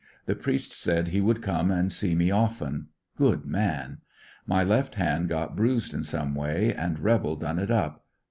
The priest said lie would come and see me often. Good man. My left hand got bruised in some way and rebel done it up.